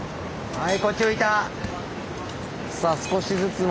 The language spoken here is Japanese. はい。